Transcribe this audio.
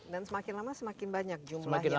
dan semakin lama semakin banyak jumlah yang ikut dengan rkm